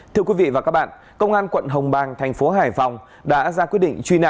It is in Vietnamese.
thưa quý vị và các bạn công an quận hồng bang thành phố hải phòng đã ra quyết định truy nã